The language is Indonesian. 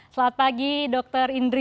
selamat pagi dr indri